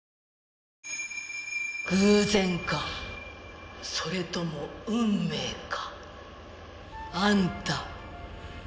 偶然かそれとも運命か。